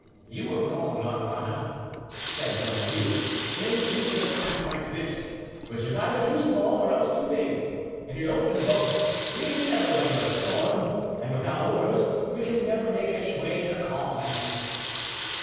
"You were wrong, Langlade," said Donadieu, "in choosing a craft like this, which is either too small or else too big; in an open boat we can never weather a storm, and without oars we can never make any way in a calm."